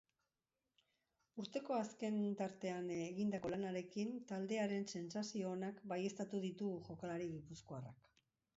Urteko azken tartean egindako lanarekin taldearen sentsazio onak baieztatu ditu jokalari gipuzkoarrak.